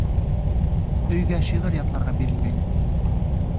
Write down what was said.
Өйгә шиғыр ятларға бирелгәйне.